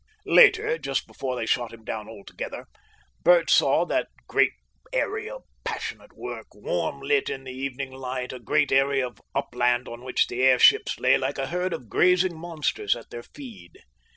Later, just before they shot him down altogether, Bert saw that great area of passionate work, warm lit in the evening light, a great area of upland on which the airships lay like a herd of grazing monsters at their feed.